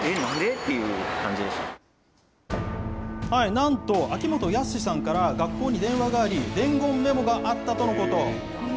なんと秋元康さんから学校に電話があり、伝言メモがあったとのこと。